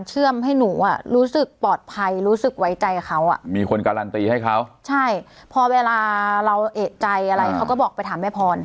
ให้หนูอ่ะรู้สึกปลอดภัยรู้สึกไว้ใจเขาอ่ะมีคนการันตีให้เขาใช่พอเวลาเราเอกใจอะไรเขาก็บอกไปถามแม่พร